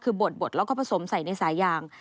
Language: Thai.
คือบดแล้วก็ผสมใส่ในสายยาง